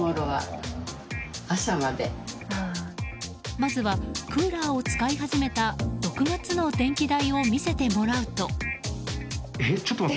まずはクーラーを使い始めた６月の電気代を見せてもらうと。